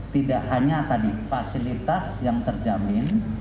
tidak hanya tadi fasilitas yang terjamin